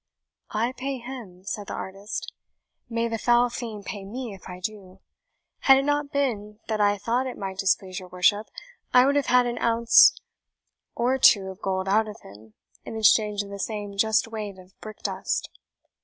"I pay him?" said the artist. "May the foul fiend pay me if I do! Had it not been that I thought it might displease your worship, I would have had an ounce or two of gold out of him, in exchange of the same just weight of brick dust."